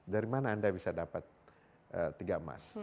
dari mana anda bisa dapat tiga emas